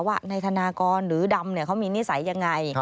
ว่านายธนากรหรือดำเขามีนิสัยยังไง